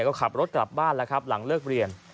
ก็ขับรถกลับบ้านแล้วครับหลังเลิกเรียน